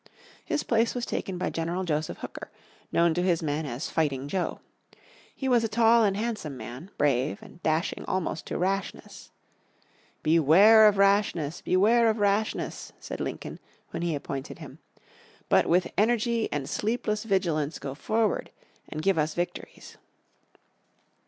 His place was taken by General Joseph Hooker, known to his men as "Fighting Joe." He was a tall and handsome man, brave, and dashing almost to rashness. "Beware of rashness, beware of rashness," said Lincoln, when he appointed him. "But with energy and sleepless vigilance go forward, and give us victories."